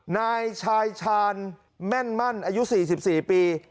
นายชายชาญแม่นมั่นอายุ๔๔ปี